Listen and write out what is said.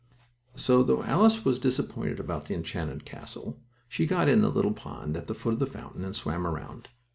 So, though Alice was disappointed about the enchanted castle, she got in the little pond at the foot of the fountain, and swam around.